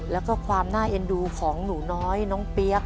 แล้วก็ความน่าเอ็นดูของหนูน้อยน้องเปี๊ยก